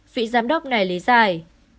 vị giám đốc này lý giải